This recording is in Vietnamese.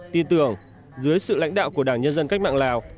tin tưởng dưới sự lãnh đạo của đảng nhân dân cách mạng lào